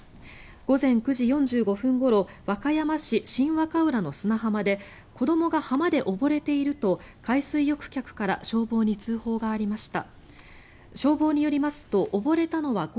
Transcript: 午前９時４５分ごろ和歌山市新和歌浦の砂浜で子どもが浜で溺れていると海水浴客から消防に通報がありました。